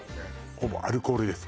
ほぼアルコールです